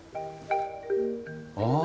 ああ！